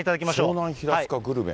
湘南平塚グルメ？